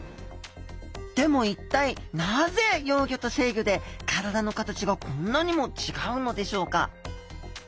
でも一体なぜ幼魚と成魚で体の形がこんなにも違うのでしょうか？